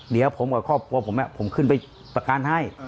เดี๋ยวผมกับครอบครัวผมผมขึ้นไปประกันให้